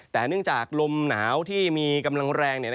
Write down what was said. แต่เนื่องจากลมหนาวที่มีกำลังแรง